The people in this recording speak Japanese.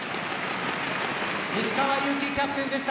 石川祐希キャプテンでした。